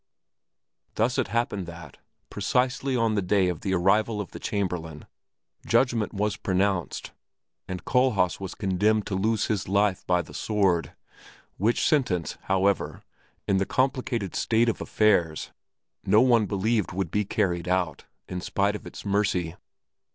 Thus it happened that, precisely on the day of the arrival of the Chamberlain, judgment was pronounced, and Kohlhaas was condemned to lose his life by the sword, which sentence, however, in the complicated state of affairs, no one believed would be carried out, in spite of its mercy.